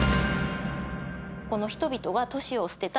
この人々が都市を捨てた